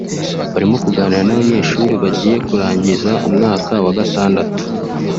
barimo kuganira n’abanyeshuri bagiye kurangiza umwaka wa Gatandatu